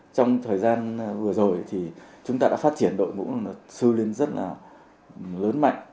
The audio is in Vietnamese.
trong thời gian vừa rồi thì chúng ta đã phát triển đội ngũ sư lên rất là lớn mạnh